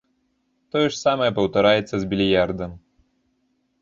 Тое ж самае паўтараецца з більярдам.